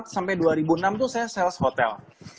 dua ribu empat sampai dua ribu enam tuh saya sales hotel